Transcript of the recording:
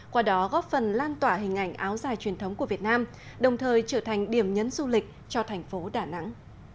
qua đó góp phần lan tỏa hình ảnh áo dài truyền thống của việt nam đồng thời trở thành điểm nhấn du lịch cho thành phố đà nẵng